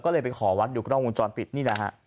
ก็เลยไปขอวัดดูกล้องวงจรปิดนี่แหละฮะ